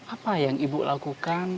apa yang ibu lakukan